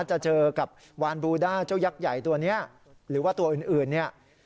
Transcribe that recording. จะเจอกับวานบูด้าเจ้ายักษ์ใหญ่ตัวนี้หรือว่าตัวอื่นเนี่ย